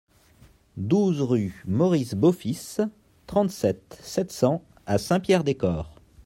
douze rue Maurice Beaufils, trente-sept, sept cents à Saint-Pierre-des-Corps